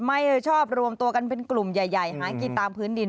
ไม่ชอบรวมตัวกันเป็นกลุ่มใหญ่หากินตามพื้นดิน